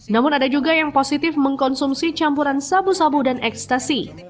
namun ada juga yang positif mengkonsumsi campuran sabu sabu dan ekstasi